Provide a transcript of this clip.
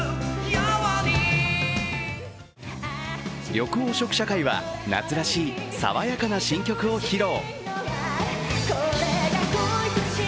緑黄色社会は夏らしい爽やかな新曲を披露。